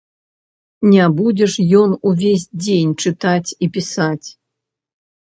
Не будзе ж ён увесь дзень чытаць і пісаць.